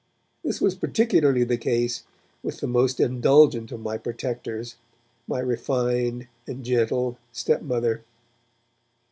This was particularly the case with the most indulgent of my protectors, my refined and gentle stepmother.